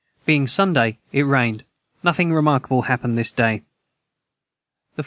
Being Sunday it rained nothing remarkable hapned this day. the 4.